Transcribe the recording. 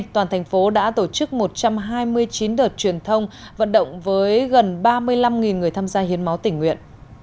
toàn thành phố đã tổ chức một trăm hai mươi chín đợt truyền thông vận động với gần ba mươi năm người tham gia hiến máu tỉnh nguyện